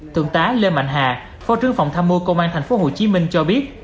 tượng tá lê mạnh hà phó trương phòng tham mưu công an tp hcm cho biết